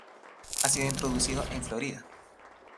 Ha sido introducido en Florida.